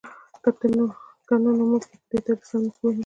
که نه نو موږ به په تاریخ سم پوهـ نهشو.